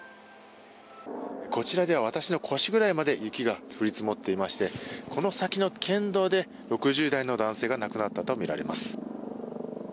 こちらでは私の腰くらいまで雪が降り積もっていましてこの先の県道で６０代の男性が亡くなったとみられます。